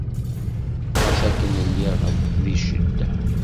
Ɣas akken lliɣ di ccedda.